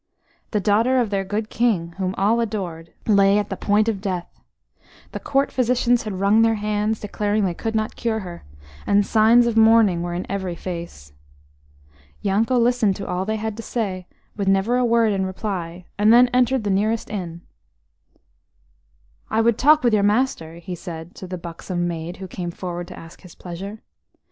The daughter of their good King, whom all adored, lay at the point of death. The court physicians had wrung their hands, declaring they could not cure her, and signs of mourning were in every face. Yanko listened to all they had to say with never a word in reply, and then entered the nearest inn. "I would talk with your master," he said to the buxom maid who came forward to ask his pleasure.